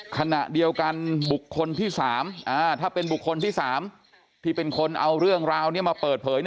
ขณะเดียวกันบุคคลที่๓ถ้าเป็นบุคคลที่๓ที่เป็นคนเอาเรื่องราวนี้มาเปิดเผย